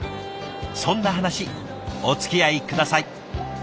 そんな話おつきあい下さい。